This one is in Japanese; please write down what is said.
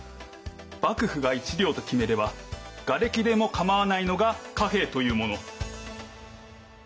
幕府が「１両」と決めれば瓦礫でも構わないのが貨幣というもの。